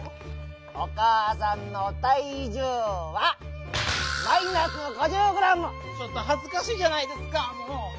おかあさんのたいじゅうはちょっとはずかしいじゃないですかもう。